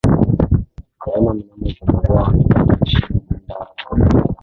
mapema mno isipokuwa wamepata shinda lakini bado